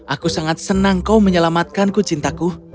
aku sangat senang kau menyelamatkanku cintaku